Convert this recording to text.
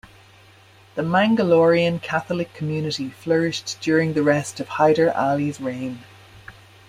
The Mangalorean Catholic community flourished during the rest of Hyder Ali's reign.